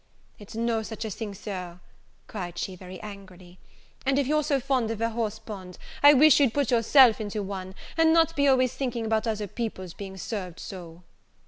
"It's no such a thing, Sir," cried she, very angrily; "and if you're so very fond of a horse pond, I wish you'd put yourself into one, and not be always a thinking about other people's being served so."